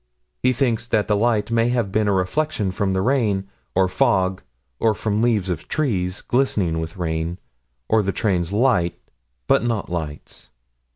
He thinks that the light may have been a reflection from the rain, or fog, or from leaves of trees, glistening with rain, or the train's light not lights.